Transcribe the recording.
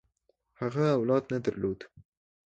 هغه اولاد نه درلود.